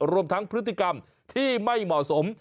รวมทั้งพฤติกรรมที่ไม่เหมาะสม